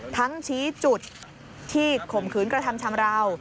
ชี้จุดที่ข่มขืนกระทำชำราว